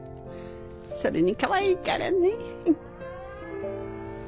それにかわいいからね。